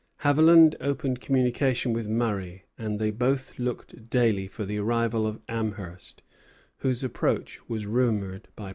Haviland opened communication with Murray, and they both looked daily for the arrival of Amherst, whose approach was rumored by prisoners and deserters.